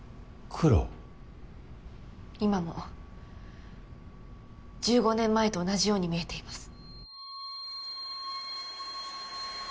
今も１５年前と同じように見えています。